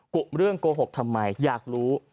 กุเรื่องโกหกทำไมอยากรู้